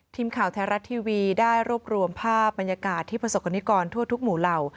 ทีมข่าวไทยรัฐทีวีได้รวบรวมภาพบรรยากาศที่ประสบกรณิกรทั่วทุกหมู่เหล่า